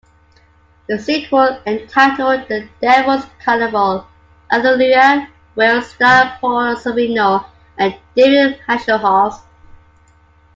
The sequel, entitled "The Devil's Carnival: Alleluia", will star Paul Sorvino and David Hasselhoff.